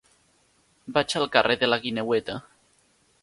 Vaig al carrer de la Guineueta.